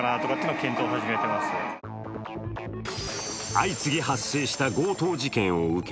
相次ぎ発生した強盗事件を受け